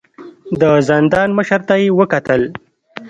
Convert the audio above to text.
د زندان مشر ته يې وکتل.